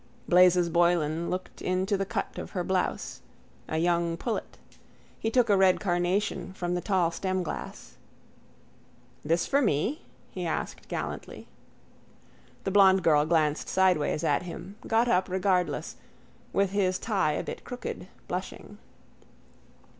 Blazes Boylan looked into the cut of her blouse. A young pullet. He took a red carnation from the tall stemglass. —This for me? he asked gallantly. The blond girl glanced sideways at him, got up regardless, with his tie a bit crooked, blushing.